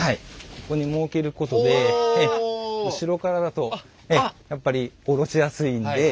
ここに設けることで後ろからだとやっぱり降ろしやすいんで。